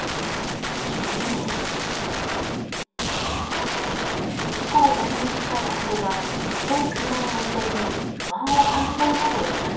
ひき逃げです。